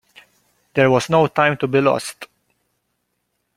There was no time to be lost.